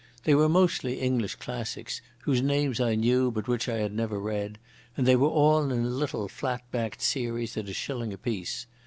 They were mostly English classics, whose names I knew but which I had never read, and they were all in a little flat backed series at a shilling apiece.